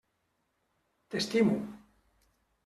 T'estimo.